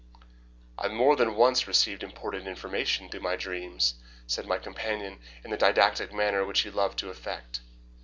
"I have more than once received important information through my dreams," said my companion in the didactic manner which he loved to affect.